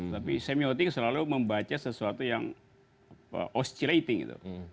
tapi semioting selalu membaca sesuatu yang oscilating gitu